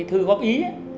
thư góp ý